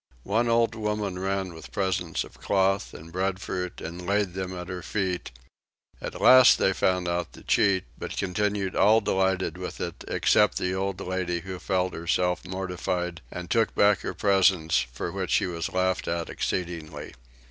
One old woman ran with presents of cloth and breadfruit and laid them at her feet; at last they found out the cheat; but continued all delighted with it, except the old lady who felt herself mortified and took back her presents for which she was laughed at exceedingly.